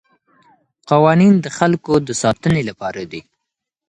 قوانین د خلګو د ساتنې لپاره دي.